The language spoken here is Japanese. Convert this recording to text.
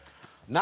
何？